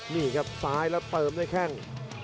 นี่ครับซ้ายแล้วเติมด้วยแข้ง